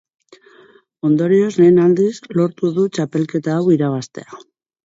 Ondorioz, lehen aldiz lortu du txapelketa hau irabaztea.